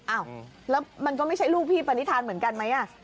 อ้าวแล้วมันก็ไม่ใช่ลูกพี่ปณิธานเหมือนกันไหม